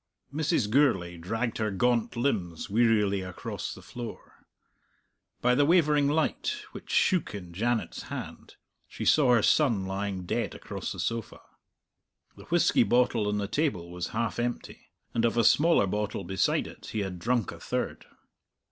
Mrs. Gourlay dragged her gaunt limbs wearily across the floor. By the wavering light, which shook in Janet's hand, she saw her son lying dead across the sofa. The whisky bottle on the table was half empty, and of a smaller bottle beside it he had drunk a third.